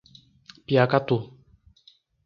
Piacatu